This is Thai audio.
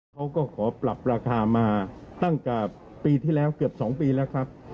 เขาก็ขอปรับราคามาตั้งแต่ปีที่แล้วเกือบ๒ปีแล้วครับ